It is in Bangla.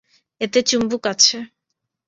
এতে চুম্বক আছে।